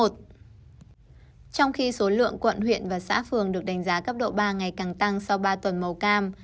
trong khi số lượng quận huyện và xã phường được đánh giá cấp độ ba ngày càng tăng sau ba tuần màu cam